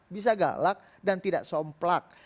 bisa gak lak dan tidak somplak